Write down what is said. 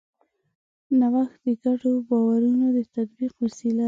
نوښت د ګډو باورونو د تطبیق وسیله ده.